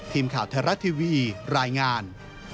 ทีมข่าวไทยรัฐทีวีรายงาน